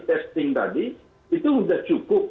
testing tadi itu sudah cukup